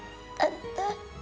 selama cupang kamar